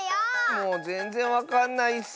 もうぜんぜんわかんないッス！